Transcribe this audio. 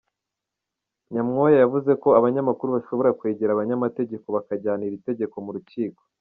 Nyamwoya yavuze ko abanyamakuru bashobora kwegera abanyamategeko bakajyana iri tegeko mu rukiko.